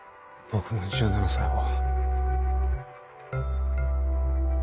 僕の１７才は。